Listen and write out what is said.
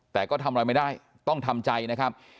แต่ก็ทำอะไรไม่ได้ต้องทำใจนะครับ